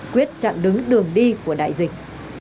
quyết chặn đứng đường đi của đại dịch